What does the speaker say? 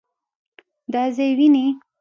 دا ځای وينې؟